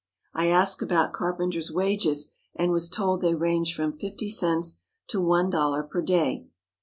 I asked about carpenter's wages, and was told they ranged from fifty cents to one dollar per day.